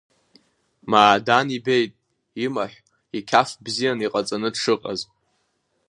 Маадан ибеит имаҳә иқьаф бзианы иҟаҵаны дшыҟаз.